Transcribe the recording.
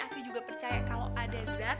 aki juga percaya kalau ada gerat